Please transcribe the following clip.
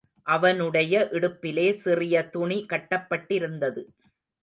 அவனுடைய இடுப்பிலே சிறிய துணி கட்டப்பட்டிருந்தது.